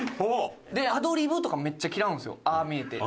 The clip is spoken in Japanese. でアドリブとかもめっちゃ嫌うんですよああ見えて。